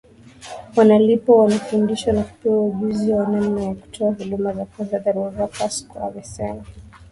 Wanalipwa wanafundishwa na kupewa ujuzi wa namna ya kutoa huduma ya kwanza dharura Pascoe amesema